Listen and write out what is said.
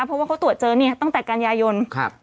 เพราะว่าเขาตรวจเจอเนี่ยตั้งแต่กันยายน